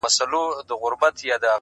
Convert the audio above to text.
• اوس مي تعويذ له ډېره خروښه چاودي ـ